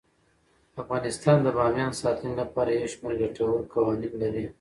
افغانستان د بامیان د ساتنې لپاره یو شمیر ګټور قوانین لري.